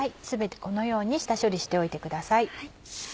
全てこのように下処理しておいてください。